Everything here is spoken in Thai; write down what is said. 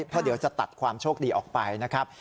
เพราะเดี๋ยวจะตัดความโชคดีออกไปนะครับ